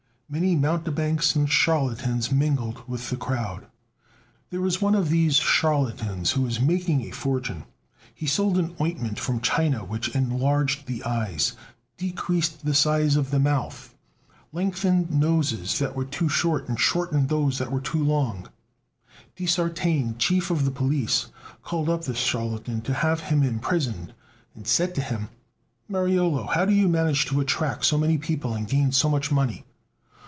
Many mountebanks and charlatans mingled with the crowd. There was one of these charlatans who was making a fortune; he sold an ointment from China which enlarged the eyes, decreased the size of the mouth, lengthened noses that were too short, and shortened those that were too long, De Sartine, Chief of the Police, called up this charlatan to have him imprisoned, and said to him: "Mariolo, how do you manage to attract so many people and gain so much money?"